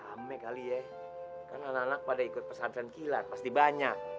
rame kali ya kan anak anak pada ikut pesantren kilat pasti banyak